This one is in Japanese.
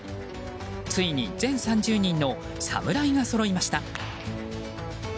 ついに全３０人の侍がそろいました。